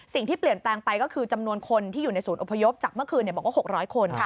สิ่งที่เปลี่ยนแปลงไปก็คือจำนวนคนที่อยู่ในศูนย์อพยพจากเมื่อคืนบอกว่า๖๐๐คน